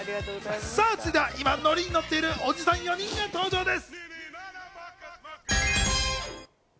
続いては今ノリにノッている、おじさん４人が登場です。